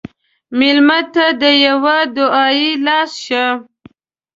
مېلمه ته د یوه دعایي لاس شه.